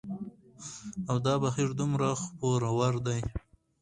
او دا بهير دومره خپور وور دى